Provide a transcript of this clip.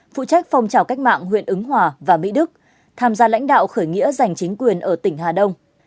phụ trách phong trào cách mạng huyện ứng hòa và mỹ đức tham gia lãnh đạo khởi nghĩa giành chính quyền ở tỉnh hà đông